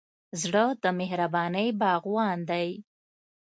زړه د مهربانۍ باغوان دی.